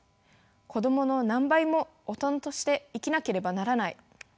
子供の何倍も大人として生きなければならない。